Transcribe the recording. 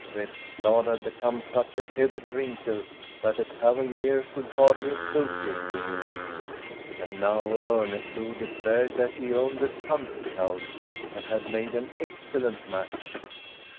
Vestblad had become such a heavy drinker that a Cavalier could hardly associate with him. And now Orneclou declared that he owned a country house, and had made an excellent match.